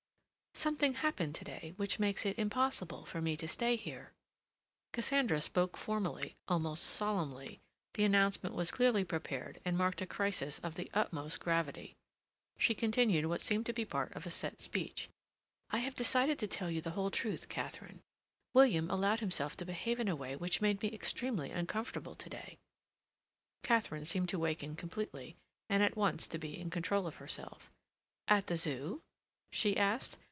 "Something happened to day which makes it impossible for me to stay here." Cassandra spoke formally, almost solemnly; the announcement was clearly prepared and marked a crisis of the utmost gravity. She continued what seemed to be part of a set speech. "I have decided to tell you the whole truth, Katharine. William allowed himself to behave in a way which made me extremely uncomfortable to day." Katharine seemed to waken completely, and at once to be in control of herself. "At the Zoo?" she asked.